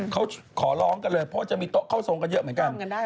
เขาขอร้องกันเลยเพราะว่าจะมีโต๊ะเข้าทรงกันเยอะเหมือนกัน